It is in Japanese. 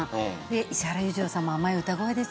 石原裕次郎さんも甘い歌声です。